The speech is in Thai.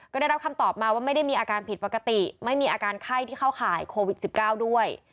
ก็ได้รับคำตอบมาว่าไม่ได้มีอาการผิดปกติไม่มีอาการไข้ที่เข้าข่ายโควิด๑๙ด้วย